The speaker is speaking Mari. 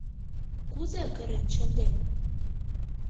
— Кузе кырен шындет?